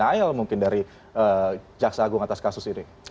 nayal mungkin dari jaksa agung atas kasus ini